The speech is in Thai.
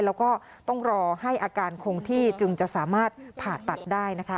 แล้วก็ต้องรอให้อาการคงที่จึงจะสามารถผ่าตัดได้นะคะ